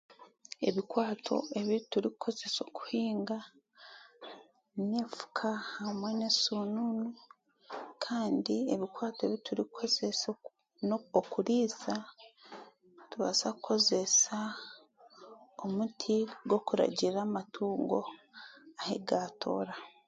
Ebikwaato ebi turikukozesa okuhinga n'efuka hamwe n'esununu kandi ebikwato ebi turikukozesa okuriisa nitubaasa kukozesa omuti gw'okuragirira amatungo ahi gatoora.